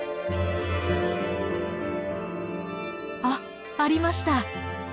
あっありました！